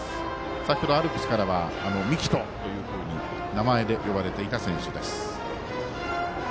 先ほど、アルプスからは樹人と名前で呼ばれていた選手です。